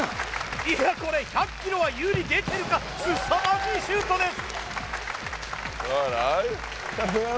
いやこれ１００キロは優に出てるかすさまじいシュートです！